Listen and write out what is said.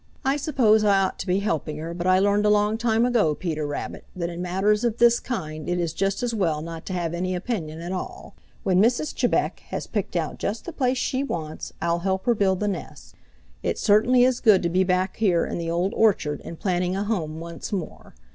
I suppose I ought to be helping her, but I learned a long time ago, Peter Rabbit, that in matters of this kind it is just as well not to have any opinion at all. When Mrs. Chebec has picked out just the place she wants, I'll help her build the nest. It certainly is good to be back here in the Old Orchard and planning a home once more.